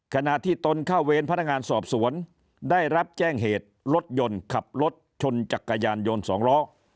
ขณะที่ตนเข้าเวรพนักงานสอบสวนได้รับแจ้งเหตุรถยนต์ขับรถชนจักรยานยนต์สองล้อ